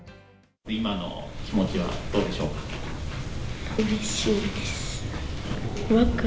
今の気持ちはどうでしょうか？